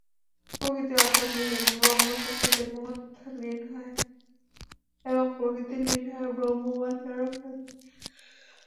প্রকৃতি অর্থাৎ ব্রহ্মশক্তিতে মহৎ লীন হয় এবং প্রকৃতি লীন হয় ব্রহ্ম বা চরম সত্যে।